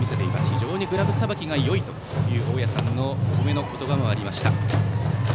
非常にグラブさばきがよいという大矢さんのお褒めの言葉もありました。